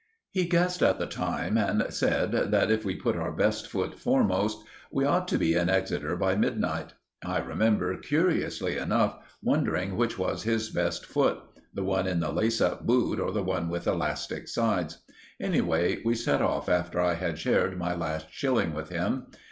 He guessed at the time and said, that if we put our best foot foremost, we ought to be in Exeter by midnight. I remember, curiously enough, wondering which was his best foot—the one in the lace up boot, or the one with elastic sides. Anyway, we set off after I had shared my last shilling with him.